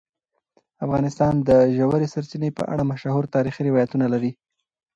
افغانستان د ژورې سرچینې په اړه مشهور تاریخی روایتونه لري.